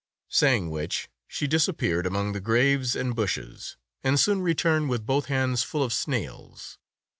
Saying which, she disappeared among the graves and bushes, and soon returned with both hands full of snails.